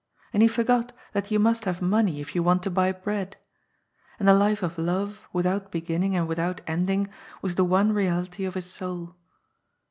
And he forgot that you must have money if you want to buy bread. And the life of love, without beginning and without ending, was the one reality of his soul.